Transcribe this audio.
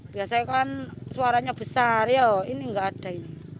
biasanya kan suaranya besar ini enggak ada ini